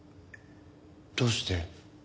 どうして？